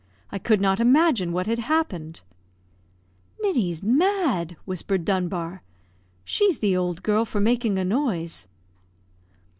I could not imagine what had happened. "Ninny's mad!" whispered Dunbar; "she's the old girl for making a noise."